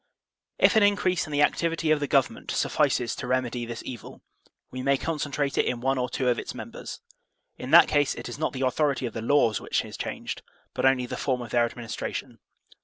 If an increase in the activity of the government sufl&ces to remedy this evil, we may concentrate it in one or two of its members; in that case it is not the authority of the laws which is changed but only the form of their admin istration.